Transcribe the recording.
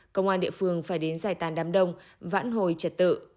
công an địa phương phải đến giải tàn đám đông vãn hồi trật tự